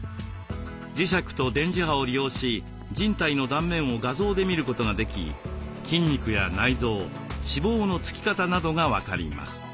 磁石と電磁波を利用し人体の断面を画像で見ることができ筋肉や内臓脂肪のつき方などが分かります。